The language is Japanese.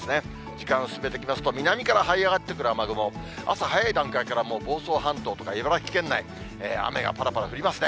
時間進めていきますと、南からはい上がってくる雨雲、朝早い段階から、もう房総半島とか茨城県内、雨がぱらぱら降りますね。